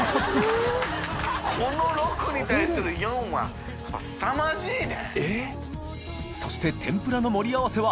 この６に対する４はやっぱすさまじいね。